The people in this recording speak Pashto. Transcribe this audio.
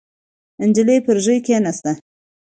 نجلۍ پر ژۍ کېناسته.